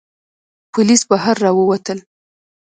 پوليس بهر را ووتل.